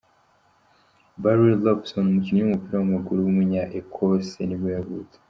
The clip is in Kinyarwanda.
Barry Robson, umukinnyi w’umupira w’amaguru w’umunya Ecosse nibwo yavutse.